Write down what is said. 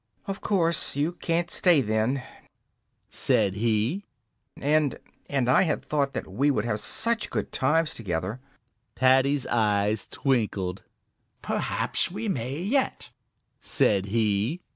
"Of course you can't stay then," said he, "and and I had thought that we would have such good times together." Paddy's eyes twinkled. "Perhaps we may yet," said he.